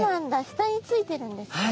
下についてるんですね。